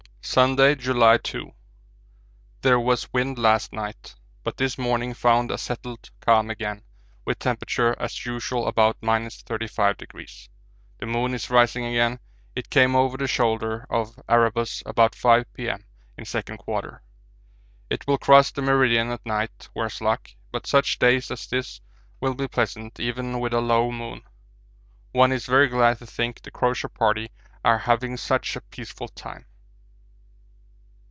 Sunday, July 2. There was wind last night, but this morning found a settled calm again, with temperature as usual about 35°. The moon is rising again; it came over the shoulder of Erebus about 5 P.M., in second quarter. It will cross the meridian at night, worse luck, but such days as this will be pleasant even with a low moon; one is very glad to think the Crozier Party are having such a peaceful time.